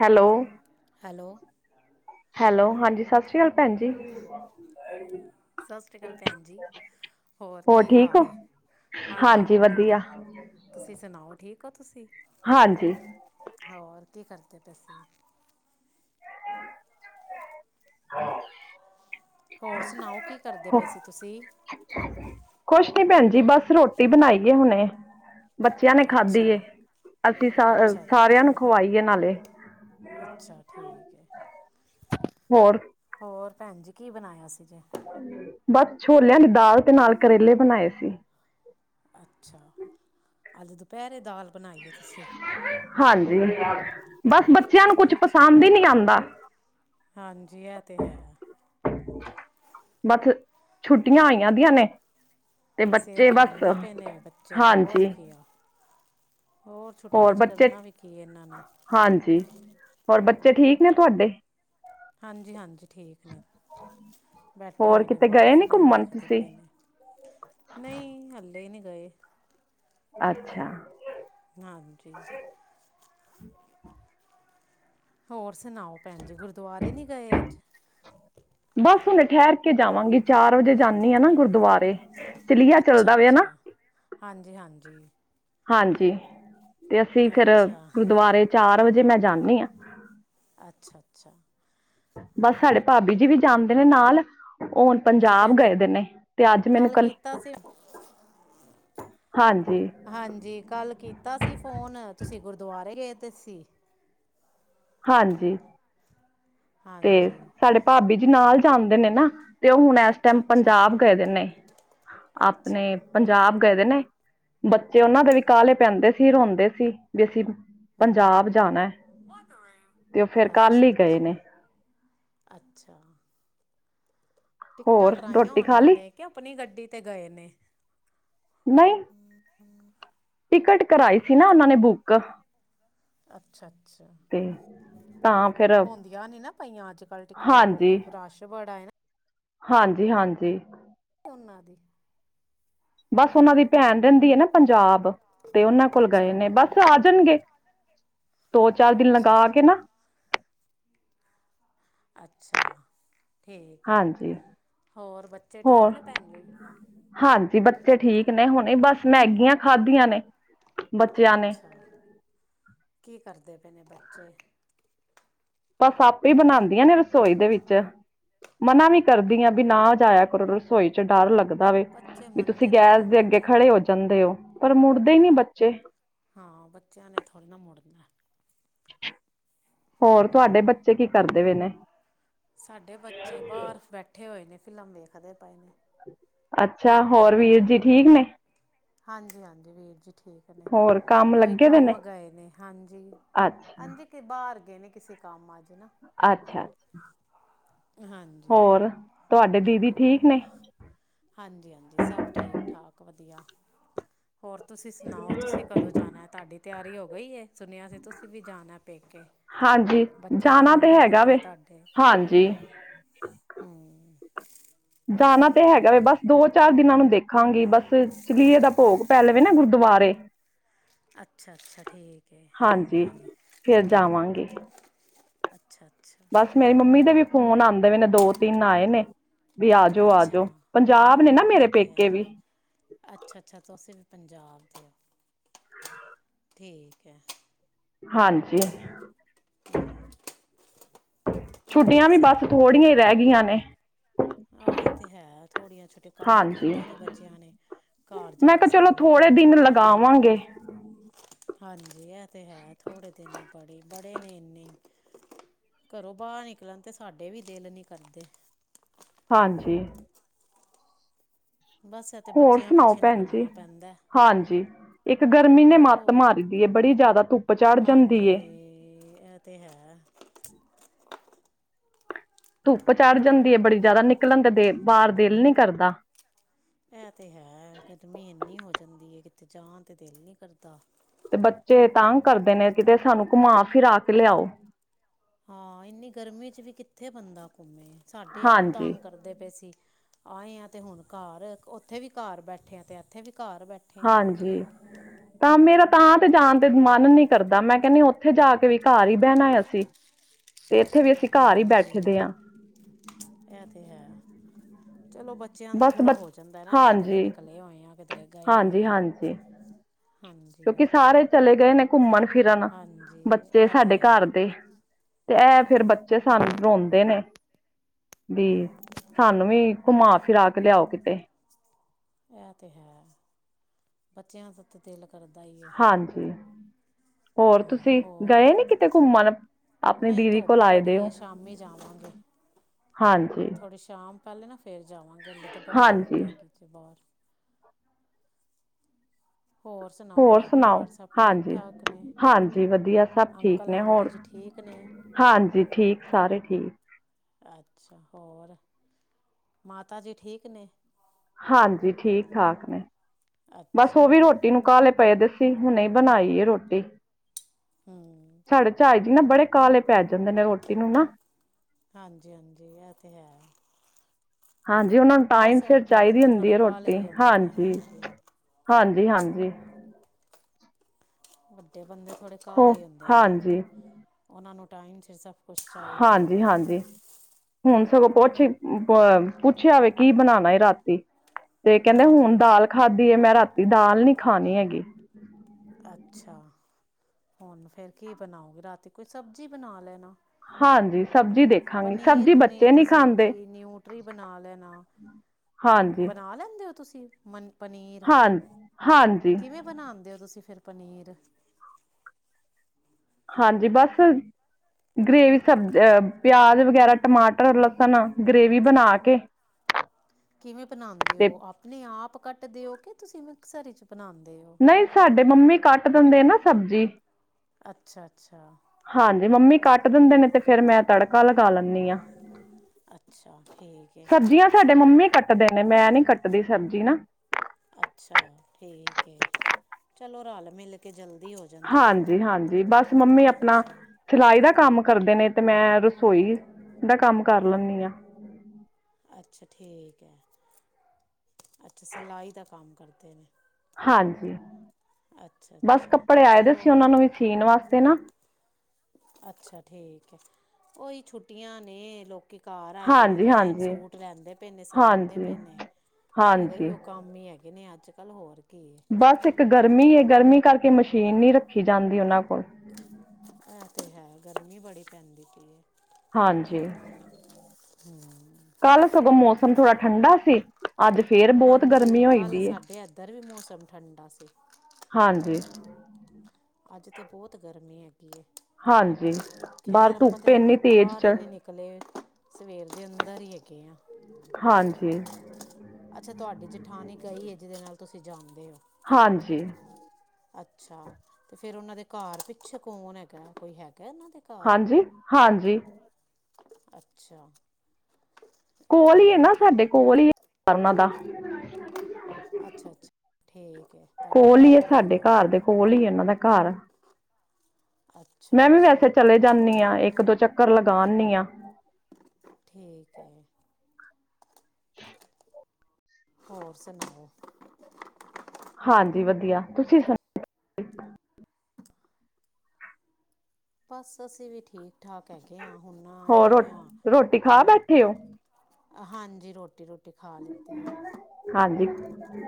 Hello hello hello. ਹਾਂਜੀ ਸਤਿ ਸ਼੍ਰੀ ਅਕਾਲ ਭੈਣ ਜੀ। [inaudible] ਸਤਿ ਸ੍ਰੀ ਅਕਾਲ ਭੈਣ ਜੀ ਹੋਰ ਕੀ ਠੀਕ ਹਾਲ ਹੋ ਏ ਹਾਂ-ਹਾਂ ਵਧੀਆ ਤੁਸੀਂ ਸੁਣਾਓ ਠੀਕ ਹੋ ਤੁਸੀਂ? ਹਾਂਜੀ। ਹੋਰ ਕੀ ਕਰਦੇ ਪਏ ਸੀ। ਹਾਂ। ਹੋਰ ਸੁਣਾਓ ਕੀ ਕਰਦੇ ਪਏ ਸੀ ਤੁਸੀਂ ਕੁੱਛ ਨੀਂ ਭੈਣ ਜੀ। ਬਸ ਰੋਟੀ ਬਣਾਈ ਐਂ ਹੁਣੇ ਬੱਚਿਆਂ ਨੇ ਖਾਧੀ ਅੱਛਾ, ਏ ਅਸੀਂ ਸ ਅੱਛਾ-ਅੱਛਾ, ਸਾਰਿਆਂ ਨੂੰ ਖਵਾਈਏ ਨਾਲੇ ਅੱਛਾ ਠੀਕ ਹੈ ਹੋਰ। ਹੋਰ ਭੈਣ ਜੀ ਕੀ ਬਣਾਇਆ ਸੀ ਜੇ। ਬਸ ਛੋਲਿਆਂ ਦੀ ਦਾਲ਼ ਤੇ ਨਾਲ਼ ਕਰੇਲੇ ਬਣਾਏ ਸੀ। ਅੱਛਾ ਹਾਲੇ ਦੁਪਹਿਰੇ ਦਾਲ ਬਣਾਈਏ ਹਾਂਜੀ ਬਸ ਬੱਚਿਆਂ ਨੂੰ ਕੁਛ ਅੱਛਾ, ਪਸੰਦ ਹੀ ਨਹੀਂ ਆਂਦਾ। ਹਾਂਜੀ। ਇਹ ਤੇ ਹੈਂ। ਬਾਕੀ ਛੁੱਟੀਆਂ ਆਈਆਂ ਦੀਆਂ ਨੇਂ। ਤੇ ਸਿਰ ਬੱਚੇ ਬਸ ਖਾਂਦੇ ਪਏ ਨੇ ਬੱਚੇ ਹੋਰ ਹਾਂਜੀ। ਕੀ ਆ। ਹੋਰ ਛੁੱਟੀਆਂ ਚ ਕਰਨਾ ਵੀ ਕੀ ਇਹਨਾਂ ਨੇ ਹਾਂਜੀ। ਹੋਰ ਬੱਚੇ ਠੀਕ ਨੇਂ ਤੁਹਾਡੇ। ਹਾਂਜੀ ਹਾਂਜੀ ਠੀਕ ਨੇ। ਬੈਠੇ ਹੋਰ ਹੋਏ ਨੇ ਕਿਤੇ ਬਾਹਰ ਗਏ ਨੀ ਫਿਲਮ ਘੁੰਮਣ ਵੇਖਦੇ ਤੁਸੀਂ ਪਏ ਨੇ ਨਹੀਂ ਹੱਲੇ ਨੀਂ ਗਏ। ਅੱਛਾ। ਹਾਂਜੀ ਹੋਰ ਸੁਣਾਓ ਭੈਣ ਜੀ ਗੁਰਦੁਆਰੇ ਨਹੀਂ ਗਏ ਅੱਜ। ਬਸ ਹੁਣ ਠਹਿਰ ਕੇ ਜਾਵਾਂਗੀ ਚਾਰ ਵਜੇ ਜਾਂਦੀ ਆ ਨਾ ਗੁਰਦੁਆਰੇ। ਚਲੀਆ ਅੱਛਾ, ਚੱਲਦਾ ਵੇ ਨਾ ਅੱਛਾ। ਹਾਂਜੀ, ਹਾਂਜੀ ਹਾਂਜੀ ਤੇ ਅਸੀਂ ਫਿਰ ਅੱਛਾ ਗੁਰਦੁਆਰੇ ਚਾਰ ਵਜੇ ਮੈਂ ਜਾਂਦੀ ਹਾਂ ਅੱਛਾ ਅੱਛਾ। ਬਸ ਸਾਡੇ ਭਾਬੀ ਜੀ ਵੀ ਜਾਂਦੇ ਨੇ ਨਾਲ ਉਹ ਜੀ ਪੰਜਾਬ ਭੈਣ ਜੀ ਗਏ ਦੇ ਨੇ ਤੇ ਅੱਜ ਮੈਨੂੰ ਕੱਲ ਕੀਤਾ ਕੱਲੀ ਸੀ ਹਾਂਜੀ। ਹਾਂਜੀ ਕੱਲ੍ਹ ਕੀਤਾ ਸੀ ਫੋਨ ਤੁਸੀਂ ਗੁਰਦੁਆਰੇ ਗਏ ਤੇ ਸੀ। ਹਾਂਜੀ। ਤੇ ਹਾਂਜੀ ਸਾਡੇ ਭਾਬੀ ਜੀ ਨਾਲ ਜਾਂਦੇ ਨੇ ਨਾ। ਤੇ ਓ ਹੁਣ ਐਸ ਅੱਛਾ ਟਾਈਮ ਅੱਛਾ ਪੰਜਾਬ ਗਏ ਦੇਨੇ ਅੱਛਾ ਆਪਣੇ ਪੰਜਾਬ ਗਏ ਦੇਨੇ ਬੱਚੇ ਓਨਾਂ ਦੇ ਵੀ ਕਾਹਲੇ ਪੈਂਦੇ ਸੀ ਰੋਂਦੇ ਸੀ ਵੀ ਅਸੀਂ ਪੰਜਾਬ ਜਾਣਾਂ ਤੇ ਫੇਰ ਕੱਲ੍ਹ ਅੱਛਾ ਹੀ ਗਏ ਅੱਛਾ ਨੇਂ। ਅੱਛਾ। ਟਿਕਟਾਂ ਹੋਰ ਕਰਾਈਆਂ ਰੋਟੀ ਖਾ ਹੋਣੀਆਂ ਲਈ ਨੇ ਕਿ ਆਪਣੀ ਗੱਡੀ ਤੇ ਗਏ ਨੇ ਨਹੀਂ। [unintelligible] ਟਿਕਟ ਕਰਾਈ ਸੀਂ ਨਾ ਉਹਨਾਂ ਨੇਂ ਬੁੱਕ। ਅੱਛਾ-ਅੱਛਾ। ਤੇ ਤਾਂ ਫੇਰ ਹੁੰਦੀਆਂ ਨੀ ਨਾ ਪਈਆਂ। ਅੱਜਕੱਲ੍ਹ ਟਿਕਟਾਂ ਬੁੱਕ ਰਸ਼ ਬੜਾ ਐ ਨਾ ਹਾਂਜੀ-ਹਾਂਜੀ। ਉਹਨਾਂ ਦੀ ਬਸ ਓਨਾ ਦੀ ਭੈਣ ਰਹਿੰਦੀ ਏ ਨਾ ਪੰਜਾਬ ਤੇ ਓਨਾਂ ਕੋਲ ਅੱਛਾ ਗਏ ਨੇ ਬਸ ਆ ਜਾਣਗੇ। ਦੋ-ਚਾਰ ਦਿਨ ਲਗਾ ਅੱਛਾ ਕੇ ਨਾ ਅੱਛਾ, ਠੀਕ ਐ ਹਾਂਜੀ ਹੋਰ ਬੱਚੇ ਠੀਕ ਹੋਰ ਨੇ ਭੈਣ ਜੀ। ਹਾਂਜੀ, ਬੱਚੇ ਠੀਕ ਨੇ ਹੁਣੇ ਬਸ ਮੈਗੀਆਂ ਖਾਧੀਆਂ ਨੇ ਬੱਚਿਆਂ ਨੇ ਅੱਛਾ, ਕੀ ਕਰਦੇ ਪਏ ਨੇ ਬੱਚੇ? ਬਸ ਆਪੇ ਬਣਾਦੀਆ ਨੇ ਰਸੋਈ ਦੇ ਵਿੱਚ ਮਨ੍ਹਾ ਵੀ ਕਰਦੀ ਆਂ, ਵੀ ਨਾ ਜਾਇਆ ਕਰੋ ਰਸੋਈ ਰਸੋਈ ਚ ਡਰ ਲੱਗਦਾ। ਬੱਚੇ ਵੀ ਤੁਸੀਂ ਮੰਨਦੇ ਗੈਸ ਥੋੜ੍ਹੀ ਦੇ ਨਾ ਅੱਗੇ ਨੇ ਖੜੇ ਹੋ ਜਾਂਦੇ ਹੋ। ਪਰ ਮੁੜਦੇ ਈ ਨੀ ਬੱਚੇ ਹਾਂ, ਬੱਚਿਆਂ ਨੇ ਥੋੜ੍ਹੀ ਨਾ ਮੁੜਨਾ। ਹੋਰ ਤੁਹਾਡੇ ਬੱਚੇ ਕੀ ਕਰਦੇ ਪਏ ਨੇ? ਸਾਡੇ ਬੱਚੇ ਬਾਰ ਬੈਠੇ ਹੋਏ ਨੇ। ਫਿਲਮ ਵੇਖਦੇ ਪਏ ਨੇ। ਅੱਛਾ, ਹੋਰ ਵੀਰ ਜੀ ਠੀਕ ਨੇ? ਹਾਂਜੀ-ਹਾਂਜੀ ਵੀਰ ਜੀ। ਠੀਕ ਨੇ ਹੋਰ ਕੰਮ ਕੋਈ ਲੱਗੇ ਦੇ ਨੇ ਕੰਮ ਗਏ ਨੇ। ਅੱਛਾ ਹਾਂਜੀ-ਹਾਂਜੀ। ਤੇ ਬਾਹਰ ਗਏ ਨੇ। ਕਿਸੇ ਕੰਮ ਅੱਜ ਨਾ ਅੱਛਾ-ਅੱਛਾ ਹਾਂਜੀ ਹੋਰ ਤੁਹਾਡੇ ਦੀਦੀ ਠੀਕ ਨੇ। ਹਾਂਜੀ-ਹਾਂਜੀ ਸਭ ਠੀਕ-ਠਾਕ ਵਧੀਆ। ਹੋਰ ਤੁਸੀਂ ਸੁਣਾਓ? ਤੁਸੀਂ ਕਦੋਂ ਜਾਣਾ। ਤੁਹਾਡੀ ਤਿਆਰੀ ਹੋ ਗਈ ਏ, ਸੁਣਿਆ ਸੀ ਤੁਸੀਂ ਵੀ ਜਾਣਾ ਪੇਕੇ। ਹਾਂਜੀ ਬੱਚੇ ਜਾਣਾ ਤੰਗ ਤੇ ਕਰਦੇ ਹੈਗਾ ਪਏ ਨੇ। ਵੇ ਤੁਹਾਡੇ ਹਾਂਜੀ ਹੂੰ ਜਾਣਾ ਤੇ ਹੈਗਾ ਏ। ਬਸ ਦੋ-ਚਾਰ ਦਿਨਾਂ ਨੂੰ ਦੇਖਾਂਗੀ। ਬਸ ਚਿਲੀਏ ਦਾ ਭੋਗ ਪੈ ਲਵੇ ਨਾ ਗੁਰਦੁਆਰੇ। ਅੱਛਾ-ਅੱਛਾ ਠੀਕ ਹੈ ਹਾਂਜੀ। ਫੇਰ ਜਾਵਾਂਗੇ ਅੱਛਾ-ਅੱਛਾ। ਮੇਰੀ ਮੰਮੀ ਦੇ ਵੀ ਫੋਨ ਆਂਦੇ ਨੇ, ਦੋ-ਤਿੰਨ ਆਏ ਨੇ ਵੀ ਅੱਛਾ ਆਜੋ-ਆਜੋ, ਪੰਜਾਬ ਨੇ ਨਾ ਮੇਰੇ ਪੇਕੇ ਵੀ ਅੱਛਾ-ਅੱਛਾ, ਅਸੀਂ ਵੀ ਪੰਜਾਬ ਦੇ ਆ ਠੀਕ ਐ। ਹਾਂਜੀ। ਹੂੰ। ਛੁੱਟੀਆਂ ਵੀ ਬਸ ਥੋੜ੍ਹੀਆਂ ਈ ਰਹਿ ਗਈਆਂ ਨੇ। ਓ ਏ ਤੇ ਹੈ ਥੋੜੀਆਂ ਛੋਟੀਆ ਕੰਮ ਹਾਂਜੀ ਕੀਤਾ ਨੀ ਬੱਚਿਆਂ ਨੇ ਘਰ ਜਾ ਮੈਂ ਕੇ ਕਿਹਾ ਚਲੋ ਸਾਨੂੰ ਈ ਥੋੜੇ ਕਰਨੇ ਦਿਨ ਪੈਣੇ ਨੇ। ਲਗਾਵਾਂਗੇ ਹਾਂਜੀ, ਐ ਤੇ ਹੈ ਥੋੜੇ ਦਿਨ ਬੜੀ ਬੜੇ ਨੇ ਏਨੇ ਈ ਘਰੋਂ ਬਾਹਰ ਨਿਕਲਣ ਤੇ ਸਾਡੇ ਵੀ ਦਿਲ ਨੀ ਕਰਦੇ। ਹਾਂਜੀ। ਬਸ ਇਹ ਤੇ ਹੋਰ ਬੱਚਿਆਂ ਸੁਣਾਓ ਪਿੱਛੇ ਭੈਣ ਜੀ, ਨਿਕਲਣਾ ਪੈਂਦਾ ਹਾਂਜੀ? ਇੱਕ ਗਰਮੀ ਨੇ ਹੋ ਮੱਤ ਮਾਰੀ ਦੀ ਏ ਬੜੀ ਜਿਆਦਾ। ਧੁੱਪ ਚੜ ਜਾਂਦੀ ਏ। ਓ ਤੇ ਹੈ। ਧੁੱਪ ਚੜ ਜਾਂਦੀ ਏ। ਬੜੀ ਜਿਆਦਾ ਨਿਕਲਣ ਦੇ ਬਾਹਰ ਦਿਲ ਨੀ ਕਰਦਾ। ਇਹ ਤੇ ਹੈ ਗਰਮੀ ਏਨੀ ਹੋ ਜਾਂਦੀ ਐ, ਕਿਤੇੇ ਜਾਣ ਤੇ ਦਿਲ ਨੀ ਕਰਦਾ। ਤੇ ਬੱਚੇ ਤੰਗ ਕਰਦੇ ਨੇ ਕਿਤੇ ਸਾਨੂੰ ਘੁੰਮਾ ਫਿਰਾ ਕੇ ਲਿਆਓ। ਹਾਂ ਇੰਨੀ ਗਰਮੀ 'ਚ ਵੀ ਕਿੱਥੇ ਬੰਦਾ ਘੁੰਮੇ ਸਾਡੇ ਆਪ ਹਾਂਜੀ ਤੰਗ ਕਰਦੇ ਪਏ ਸੀ। ਆਏ ਆ ਤੇ ਹੁਣ ਘਰ ਉਥੇ ਵੀ ਘਰ ਬੈਠੇ ਆ ਤੇ ਇਥੇ ਵੀ ਘਰ ਬੈਠੇ ਆ ਹਾਂਜੀ [inaudible] ਤਾਂ ਮੇਰਾ ਤਾਂ ਤੇ ਜਾਣ ਤੇ ਮਨ ਨੀ ਕਰਦਾ ਮੈਂ ਕਹਿੰਦੀ ਉਥੇ ਜਾ ਕੇ ਵੀ ਘਰ ਹੀ ਬਹਿਣਾ ਅਸੀਂ [inaudible] ਤੇ ਇਥੇ ਵੀ ਅਸੀਂ ਘਰ ਹੀ ਬੈਠਦੇ ਹਾਂ। ਐ ਤੇ ਹੈ। ਚਲੋ ਬੱਚਿਆਂ ਨੂੰ ਬਸ ਥੋੜ੍ਹਾ ਬ ਹੋ ਜਾਂਦਾ ਨਾ ਕਿਧਰੇ ਹਾਂਜੀ ਨਿਕਲੇ ਹੋਏ ਆ ਕਿਧਰੇ ਗਏ ਹਾਂਜੀ ਹੋਏ ਆ। ਹਾਂਜੀ ਹਾਂਜੀ-ਹਾਂਜੀ ਕਿਉਂਕਿ ਸਾਰੇ ਚਲੇ ਗਏ ਨੇ ਘੁੰਮਣ ਫਿਰਨ ਬੱਚੇ ਇਹ ਤੇ ਸਾਡੇ ਘਰ ਹੈ। [inaudible] ਦੇ ਤੇ ਇਹ ਫਿਰ ਬੱਚੇ ਸਾਨੂੰ ਰੋਂਦੇ ਨੇ। ਵੀ ਸਾਨੂੰ ਵੀ ਘੁੰਮਾ ਫਿਰਾ ਕੇ ਲਿਆਓ ਕਿਤੇ ਐਹ ਤੇ ਹੈ। ਬੱਚਿਆਂ ਦਾ ਤਾਂ ਦਿਲ ਕਰਦਾ ਹੀ ਏ। ਹਾਂਜੀ ਹੋਰ ਤੁਸੀਂ ਗਏ ਨੀ ਕਿਤੇ ਘੁੰਮਣ ਆਪਣੀ ਨਹੀਂ ਦੀਦੀ ਧੁੱਪ ਕੋਲ ਆਏ ਦੇ ਬੜੀ ਹੈ ਹੋ ਸ਼ਾਮੀ ਜਾਵਾਂਗੇ। ਹਾਂਜੀ ਥੋੜ੍ਹੀ ਸ਼ਾਮ ਪੈ ਲੇ ਨਾ ਫਿਰ ਜਾਵਾਂਗੇ ਅੇ ਤੇ ਬੜੀ ਧੁੱਪ ਹਾਂਜੀ ਹੈਗੀ। ਬੱਚੇ ਬਾਹਰ ਹੋਰ ਸੁਣਾਓ ਹੋਰ ਘਰ ਸੁਣਾਓ ਪਰਿਵਾਰ ਸਭ ਠੀਕ ਹਾਂਜੀ ਠਾਕ ਨੇ ਹਾਂਜੀ ਵਧੀਆ ਸਭ ਠੀਕ ਅੰਕਲ ਨੇ ਆਂਟੀ ਹੋਰ ਜੀ। ਠੀਕ ਨੇ। ਹਾਂਜੀ, ਠੀਕ ਸਾਰੇ ਠੀ। ਅੱਛਾ ਹੋਰ ਮਾਤਾ ਜੀ ਠੀਕ ਨੇ? ਹਾਂਜੀ ਠੀਕ-ਠਾਕ ਨੇ ਬਸ ਅੱਛਾ ਉਹ ਵੀ ਜੀ ਰੋਟੀ ਨੂੰ ਕਾਹ ਲਏ ਪਏ ਦੇ ਸੀ। ਤੇ ਹੁਣੇ ਬਣਾਈ ਏ ਰੋਟੀ ਹੂੰ ਸਾਡੇ ਝਾਈ ਜੀ ਨਾ ਬੜੇ ਕਾਹਲੇ ਪੈ ਜਾਂਦੇ ਨੇ ਰੋਟੀ ਨੂੰ ਨਾ ਹਾਂਜੀ-ਹਾਂਜੀ ਇਹ ਤੇ ਹੈ। ਹਾਂਜੀ ਉਹਨਾ ਨੂੰ ਟਾਈਮ ਬਸ ਸਿਰ ਵੱਡੇ ਚਾਹੀਦੀ ਬੰਦੇ ਹੁੰਦੀ ਥੋੜ੍ਹੇ ਹੈ ਕਾਹਲੇ ਰੋਟੀ ਹੀ ਹੁੰਦੇ ਨੇ ਹਾਂਜੀ। ਹਾਂਜੀ-ਹਾਂਜੀ ਵੱਡੇ ਬੰਦੇ ਥੋੜੇ ਹੋ ਕਾਲੇ ਹੁੰਦੇ ਨੇ ਹਾਂਜੀ ਉਹਨਾਂ ਨੂੰ ਟਾਈਮ ਸਿਰ ਸਭ ਕੁਛ ਚਾਹੀਦਾ ਹਾਂਜੀ-ਹਾਂਜੀ ਹੁਣ ਸਗੋਂ ਪੁਛੇ ਅ ਪੁੱਛਿਆ ਏ ਕੀ ਬਣਾਣਾ ਰਾਤੀ ਤੇ ਕਹਿੰਦੇ ਹੁਣ ਹਾਂਜੀ ਦਾਲ ਖਾਧੀ ਹੈ ਮੈਂ ਰਾਤੀ ਦਾਲ ਨੀ ਖਾਣੀ ਹੈਗੀ। ਅੱਛਾ, ਹੁਣ ਫੇਰ ਕੀ ਬਣਾਉਗੇ ਰਾਤੀ ਕੋਈ ਸਬਜ਼ੀ ਬਣਾ ਲੈਣਾ। ਹਾਂਜੀ ਸਬਜ਼ੀ ਦੇਖਾਂਗੀ ਪਨੀਰ- ਸਬਜ਼ੀ ਪਨੀਰ ਬੱਚੇ ਦੀ ਨਹੀਂ ਖਾਂਦੇ ਸਬਜ਼ੀ ਨਊਟਰੀ ਬਣਾ ਲੈਣਾ। ਹਾਂਜੀ ਬਣਾ ਲੈਂਦੇ ਹੋ, ਤੁਸੀਂ ਮਨ ਪਨੀਰ, ਹਾਂ ਹਾਂਜੀ ਕਿਵੇਂ? ਬਣਾਂਦੇ ਹੋ ਤੁਸੀਂ ਫਿਰ ਪਨੀਰ ਹਾਂਜੀ ਬਸ ਗਰੇੇਵੀ ਸਬਜ਼ ਪਿਆਜ ਵਗੈਰਾ ਟਮਾਟਰ ਲਸਣ ਗਰੇੇਵੀ ਬਣਾ ਕੇ ਕਿਵੇਂ ਬਣਾਦੇ ਤੇ ਹੋ ਆਪਣੇ ਆਪ ਕੱਟਦੇ ਹੋ ਕਿ ਤੁਸੀਂ ਮਿਕਸਰ 'ਚ ਬਣਾਂਦੇ ਹੋ। ਨਹੀਂ ਸਾਡੇ ਮੰਮੀ ਕੱਟ ਦਿੰਦੇ ਆ ਨਾ ਸਬਜ਼ੀ ਅੱਛਾ-ਅੱਛਾ ਹਾਂਜੀ ਮੰਮੀ ਕੱਟ ਦਿੰਦੇ ਨੇ ਤੇ ਫਿਰ ਮੈਂ ਤੜਕਾ ਲਗਾ ਲੈਂਦੀ ਹਾਂ। ਅੱਛਾ ਠੀਕ ਹੈ ਸਬਜ਼ੀਆਂ ਸਾਡੇ ਮੰਮੀ ਕੱਟਦੇ ਨੇ ਮੈਂ ਨੀ ਕੱਟਦੀ ਸਬਜ਼ੀ ਨਾ। ਅੱਛਾ ਠੀਕ ਹੈ ਚਲੋ ਰਲ ਮਿਲ ਕੇ ਜਲਦੀ ਹੋ ਜਾ ਹਾਂਜੀ-ਹਾਂਜੀ ਬਸ ਮੰਮੀ ਆਪਣਾ ਅੱਛਾ ਸਿਲਾਈ ਦਾ ਕੰਮ ਕਰਦੇ ਨੇ ਤੇ ਮੈਂ ਰਸੋਈ ਦਾ ਕੰਮ ਕਰ ਲੈਂਣੀ ਹਾਂ। ਅੱਛਾ ਠੀਕ ਹੈ ਅੱਛਾ ਸਿਲਾਈ ਦਾ ਕੰਮ ਕਰਦੇ ਨੇ। ਹਾਂਜੀ ਅੱਛਾ ਬਸ ਅੱਛਾ ਕੱਪੜੇ ਆਏ ਦੇ ਸੀ ਚਲੋ ਉਹਨਾਂ ਨੂੰ ਵੀ ਸੀਣ ਵਾਸਤੇ ਨਾ ਅੱਛਾ ਠੀਕ ਹੈ ਉਹੀ ਛੁੱਟੀਆਂ ਨੇ ਲੋਕ ਕਿ ਘਰ ਆਏ ਦਿ ਨੇ ਹਾਂਜੀ ਰਹਿਣ ਹਾਂਜੀ ਸੂਟ ਲੈਂਦੇ ਪੈ ਨੇ ਸਵਾਂਦੇ ਹਾਂਜੀ ਪਏ ਨੇ ਫਿਰ ਹਾਂਜੀ ਇਹੀਓ ਕ ਕੰਮ ਹੀ ਹੈਗੇ ਨੇ ਅੱਜ ਕੱਲ੍ਹ ਹੋਰ ਕੀ ਹੈ। ਬਸ ਇੱਕ ਗਰਮੀ ਹੈ ਗਰਮੀ ਕਰਕੇ ਮਸ਼ੀਨ ਨਹੀਂ ਰੱਖੀ ਜਾਂਦੀ ਉਹਨਾਂ ਕੋਲ ਇਹ ਤੇ ਹੈ ਗਰਮੀ ਬੜੀ ਪੈਂਦੀ ਪਈ ਏ। ਹਾਂਜੀ। [unintelligible] ਕੱਲ੍ਹ ਸਗੋਂ ਮੌਸਮ ਥੋੜਾ ਠੰਡਾ ਸੀ। ਅੱਜ ਫੇਰ ਬਹੁਤ ਹਾਂਜੀ, ਗਰਮੀ ਹੋਈ ਕੱਲ ਦੀ ਹੈ ਸਾਡੇ ਏਧਰ ਵੀ ਮੌਸਮ ਠੰਡਾ ਸੀ। ਹਾਂਜੀ। ਅੱਜ ਤੇ ਬਹੁਤ ਗਰਮੀ ਹੈਗੀ ਏ, ਹਾਂਜੀ ਬਾਹਰ ਖੈਰ ਆਪਾਂ ਤੇ ਧੁੱਪ ਇੰਨੀ ਹਲੇ ਤੇਜ਼ ਬਾਹਰ ਹੀ ਚ ਨੀ ਨਿਕ ਕਲੇ ਸਵੇਰ ਦੇ ਅੰਦਰ ਈ ਹੈਗੇ ਆ। ਹਾਂਜੀ। ਅੱਛਾ ਤੁਹਾਡੀ ਜੇਠਾਨੀ ਗਈ ਐ, ਜਿਹਦੇ ਨਾਲ ਤੁਸੀਂ ਜਾਂਦੇ ਓ। ਹਾਂਜੀ। ਅੱਛਾ ਤੇ ਫੇਰ ਉਹਨਾਂ ਦੇ ਘਰ ਪਿੱਛੇ ਕੌਣ ਹੈਗਾ, ਕੋਈ ਹੈਗਾ ਇਹਨਾਂ ਦੇ। ਘਰ ਹਾਂਜੀ-ਹਾਂਜੀ। ਅੱਛਾ। ਕੋਲ ਹੀ ਐ ਨਾ ਠੀਕ ਹੈ ਸਾਡੇ, ਕੋਲ ਹੀ ਉਹਨਾਂ ਦਾ। ਅੱਛਾ-ਅੱਛਾ, ਠੀਕ ਏ। ਕੋਲ ਈ ਐ ਸਾਡੇ ਘਰ ਦੇ ਕੋਲ ਈ ਐ, ਇਹਨਾਂ ਦਾ ਘਰ। ਅੱਛਾ ਮੈਂ ਵੀ ਵੈਸੇ ਅੱਛਾ ਚਲੇ ਜਾਂਨੀ ਆ, ਇੱਕ ਦੋ ਚੱਕਰ ਲਗਾ ਆਨੀ ਆਂ। ਠੀਕ ਐ। [inaudible] ਹੋਰ ਸੁਣਾਓ ਹਾਂਜੀ ਵਧੀਆ, ਤੁਸੀਂ ਸੁਣਾ [inaudible] ਬਸ ਅਸੀਂ ਵੀ ਠੀਕ ਠਾਕ ਹੈਗੇ ਆਂ, ਹੁਣ ਨਾ ਆਏਂ ਹੋਰ ਹੋਏ ਆਂ ਰੋ- ਰੋਟੀ ਖਾ ਹੁਣ। ਬੈਠੇ ਹੋ ਹਾਂਜੀ, ਰੋਟੀ ਰੁਟੀ ਖਾ ਲਿੱਤੀ ਏ। ਹਾਂਜੀ।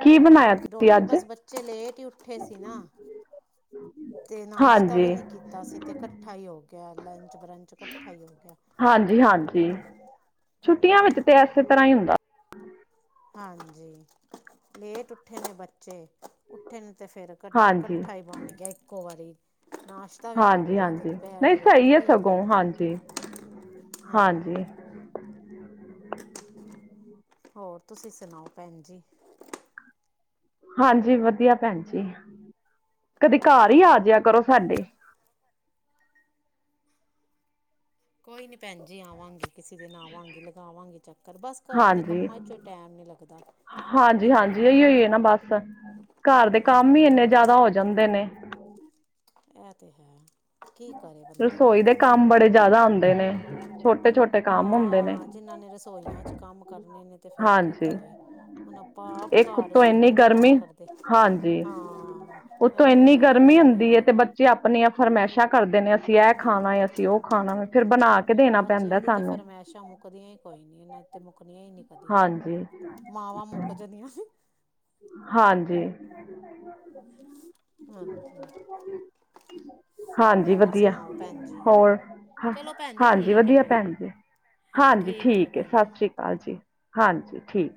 ਕੀ ਬਣਾ ਰੋਟੀ ਬਸ ਬੱਚੇ ਲੇਟ ਹੀ ਉੱਠੇ ਸੀ ਨਾ। [unintelligible] ਤੇ ਨਾਸ਼ਤਾ ਹਾਂਜੀ ਵੀ ਨੀ ਕੀਤਾ ਸੀ, ਤੇ ਕੱਠਾ ਹੀ ਹੋ ਗਿਆ ਲੰਚ ਬਰੰਚ ਕੱਠਾ ਹੀ ਹੋ ਗਿਆ। ਜੀ ਹਾਂਜੀ, ਛੁੱਟੀਆਂ ਵਿੱਚ ਤੇ ਐਸੇ ਤਰ੍ਹਾਂ ਹੀ ਹੁੰਦਾ। ਹਾਂਜੀ, ਲੇਟ ਉੱਠੇ ਨੇ ਬੱਚੇ। ਉੱਠੇ ਨੇ ਤੇ ਫੇਰ ਕੱ ਹਾਂਜੀ ਕੱਠਾ ਈ ਬਣ ਗਿਆ ਇੱਕੋ ਵਾਰੀ, ਨਾਸ਼ ਤਾ ਵੀ ਕਰ ਹਾਂਜੀ ਲਿਆ, ਤੇ ਹਾਂਜੀ ਦੁਪਹਿਰ ਨਹੀਂ ਦੀ ਰੋਟੀ ਸਹੀ ਹੈ ਵੀ ਹੋ ਸਗੋਂ ਗਈ ਏ, ਹਾਂਜੀ ਹੂੰ। ਹਾਂਜੀ ਹੋਰ ਤੁਸੀਂ ਸੁਣਾਓ ਭੈਣ ਜੀ। ਹਾਂਜੀ ਵਧੀਆ ਭੈਣ ਜੀ, ਕਦੀ ਘਰ ਈ ਆਜਿਆ ਕਰੋ ਸਾਡੇ। ਕੋਈ ਨੀ ਭੈਣ ਜੀ ਆਵਾਂਗੀ। ਕਿਸੇ ਦਿਨ ਆਵਾਂਗੀ ਲਗਾਵਾਂਗੀ ਚੱਕਰ, ਬਸ ਘਰ ਦੇ ਕੰਮਾਂ ਵਿਚੋਂ ਟੈਮ ਨੀ ਲੱਗਦਾ। ਕੀ ਹਾਂਜੀ-ਹਾਂਜੀ, ਕਰੀਏ ਇਹੀਓ ਈ ਐ ਨਾ ਬਸ। ਘਰ ਦੇ ਕੰਮ ਈ ਹਾਂਜੀ ਏਨੇ ਜ਼ਿਆਦਾ ਹੋ ਜਾਂਦੇ ਨੇ। ਇਹ ਤੇ ਹੈ। ਕੀ ਕਰੇ ਬੰਦਾ ਰਸੋਈ ਦੇ ਕੰਮ ਬੜੇ ਜਿਆਦਾ ਹੁੰਦੇ ਨੇ ਛੋਟੇ-ਛੋਟੇ। ਕੰਮ ਹੁੰਦੇ ਨੇ, ਹਾਂ, ਜਿਨਾਂ ਨੇ ਰਸੋਈਆਂ ਚ ਕੰਮ ਕਰਨੇ ਨੇ ਤੇ ਫਿਰ ਕੀ ਹਾਂਜੀ ਕਰੀਏ। ਹੁਣ ਆਪਾਂ ਆਪ ਇੱਕ ਘਰ ਉੱਤੋਂ ਇੰਨੀ ਰਸੋਈਆਂ ਚ ਕੰਮ ਗਰਮੀ ਕਰਦੇ ਹਾਂ। ਉੱਤੋ ਇਹ ਤੇ ਐਨੀ ਹੈ ਗਰਮੀ ਹੁੰਦੀ ਐ ਵੀ ਤੇ ਬ ਚੇ ਆਪਣੀਆਂ ਫਰਮਾਇਸ਼ਾਂ ਕਰਦੇ ਨੇ ਅਸੀਂ ਇਹ ਖਾਣਾ ਐ, ਅਸੀਂ ਉਹ ਖਾਣਾ ਵਾ, ਫ਼ਿਰ ਬਣਾ ਕੇ ਦੇਣਾ ਬੱਚਿਆਂ ਪੈਂਦਾ ਦੀ ਤੇ ਸਾਨੂੰ, ਫਰਮਾਇਸ਼ਾਂ ਮੁੱਕ ਮੁੱਕਦੀਆਂ ਹੀ ਕੋਈ ਨੀ ਇਹਨਾਂ ਤੇ, ਮੁੱਕਦੀਆਂ ਹੀ ਨੀ ਕਦੀ, ਹਾਂਜੀ, ਮਾਵਾਂ ਮੁੱਕ ਜਾਂਦੀਆਂ। ਹਾਂਜੀ। ਹਾਂਜੀ। ਹਾਂਜੀ ਹੋਰ ਵਧੀਆ ਸੁਣਾਓ ਭੈਣ ਜੀ। ਹੋਰ ਹ ਚਲੋ ਭੈਣ ਜੀ ਹਾਂਜੀ ਠੀਕ ਹੈ ਵਧੀਆ ਫਿਰ ਭੈਣ ਜੀ। ਹਾਂਜੀ ਠੀਕ ਹੈ ਸਤਿ ਸ੍ਰੀ ਅਕਾਲ ਜੀ ਹਾਂਜੀ ਠੀਕ।